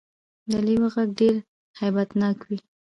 د لیوه غږ ډیر هیبت ناک وي